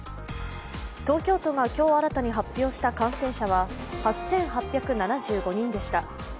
東京都が今日、新たに発表した感染者は８８７５人でした。